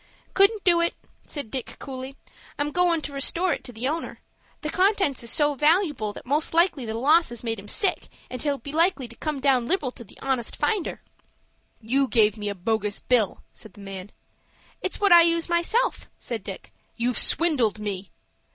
"Couldn't do it," said Dick, coolly. "I'm go'n' to restore it to the owner. The contents is so valooable that most likely the loss has made him sick, and he'll be likely to come down liberal to the honest finder." "You gave me a bogus bill," said the man. "It's what I use myself," said Dick. "You've swindled me."